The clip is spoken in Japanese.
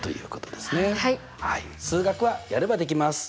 数学はやればできます！